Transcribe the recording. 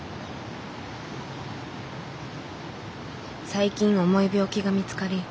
最近重い病気が見つかり